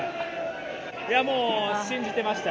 もう信じてました。